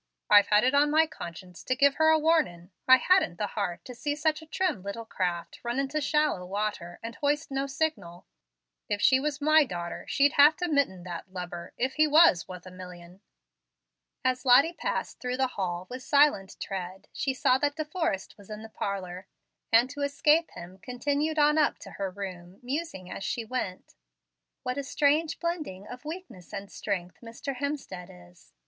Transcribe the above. "I've had it on my conscience to give her a warnin'. I hadn't the heart to see such a trim little craft run into shallow water, and hoist no signal. If she was my darter, she'd have to mitten that lubber if he was wuth a million." As Lottie passed through the hall with silent tread, she saw that De Forrest was in the parlor, and to escape him continued on up to her room, musing as she went: "What a strange blending of weakness and strength Mr. Hemstead is!